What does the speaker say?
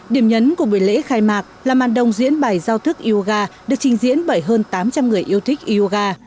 điểm nhấn của buổi lễ khai mạc là màn đồng diễn bài giao thức yoga được trình diễn bởi hơn tám trăm linh người yêu thích yoga